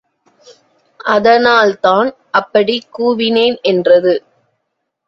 அதனால்தான் அப்படிக் கூவினேன் என்றது.